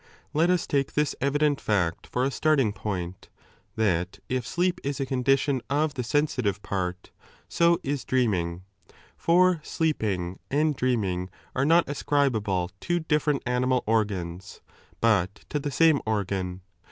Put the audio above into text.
Let us take this evident fact for a 10 234 Aristotle's psychology dcdtbom, starting point, that if sleep is a condition of the sensitive part, so is dreaming. For sleeping and dreaming are not ascribable to different animal organs, but to the same II organ.